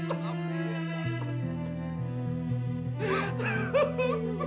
kita harus bekerja di peristiwa terakhir